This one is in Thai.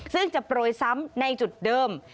ซึ่งจะโปรยซ้ำในจุดเดิม